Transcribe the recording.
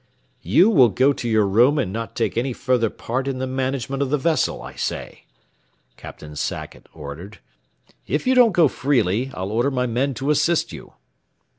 "You will go to your room and not take any further part in the management of the vessel, I say," Captain Sackett ordered, "If you don't go freely, I'll order my men to assist you."